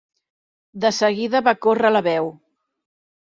De seguida va córrer la veu.